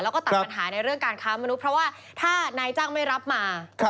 แล้วก็ตัดปัญหาในเรื่องการค้ามนุษย์เพราะว่าถ้านายจ้างไม่รับมา